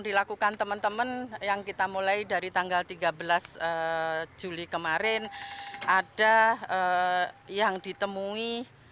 dilakukan teman teman yang kita mulai dari tanggal tiga belas juli kemarin ada yang ditemui